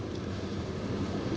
dan kode enam puluh